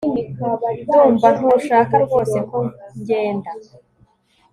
ndumva ntushaka rwose ko ngenda